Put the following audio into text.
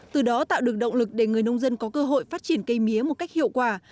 từ đó tạo được động lực để người nông dân có cơ hội phát triển cây mía một cách hiệu quả